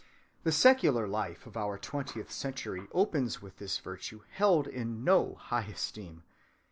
The secular life of our twentieth century opens with this virtue held in no high esteem.